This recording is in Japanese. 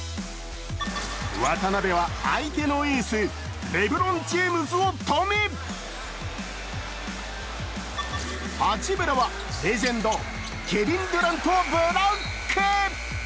渡邊は相手のエース、レブロン・ジェームズを止め八村はレジェンド、ケビン・デュラントをブロック。